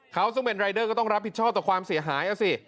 เขาซึ่งเป็นรายเดอร์ก็ต้องรับผิดชอบต่อความเสียหายอ่ะสิ